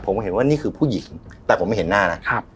ผมก็เห็นว่านี่คือผู้หญิงแต่ผมไม่เห็นหน้านะ